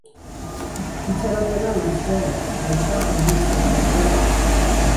Itxaropena nahi zuen, baita ongi-izatea ere.